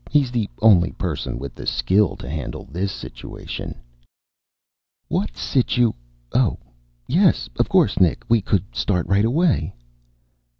He's the only person with the skill to handle this situation." "What situa oh, yes. Of course, Nick. We could start right away."